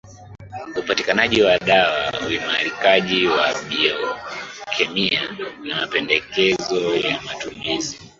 upatikanaji wa dawa uimarikaji wa Biokemia na mapendekezo ya matumizi